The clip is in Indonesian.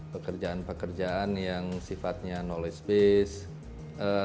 pekerjaan pekerjaan yang sifatnya tidak bisa diperlukan